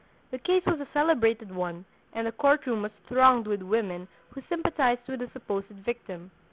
The case was a celebrated one, and the court room was thronged with women who sympathized with the supposed victim.